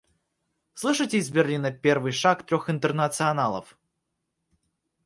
Слышите из Берлина первый шаг трех Интернационалов?